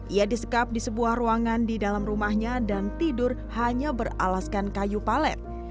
ia disekap di sebuah ruangan di dalam rumahnya dan tidur hanya beralaskan kayu palet